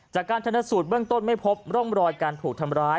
จากการชนสูตรเบื้องต้นไม่พบร่องรอยการถูกทำร้าย